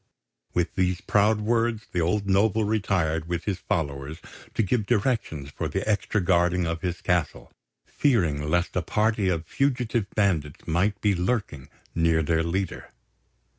With these proud words the old noble retired with his followers to give directions for the extra guarding of his castle, fearing lest a party of fugitive bandits might be lurking near their leader.